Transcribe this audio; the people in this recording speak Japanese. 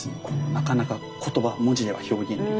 なかなか言葉文字では表現できない。